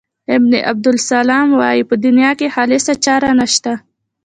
ابن عبدالسلام وايي په دنیا کې خالصه چاره نشته.